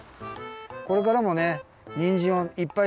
これからもねにんじんをいっぱいたべてください。